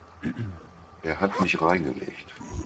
Er hat mich reingelegt.